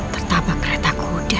tertabrak kereta kuda